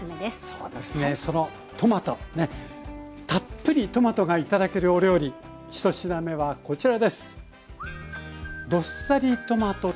そうですねそのトマトねたっぷりトマトが頂けるお料理１品目はこちらです。